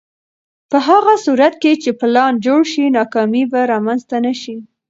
په هغه صورت کې چې پلان جوړ شي، ناکامي به رامنځته نه شي.